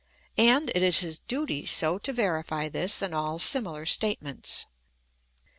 And it is his duty so to verify this and all similar state ments.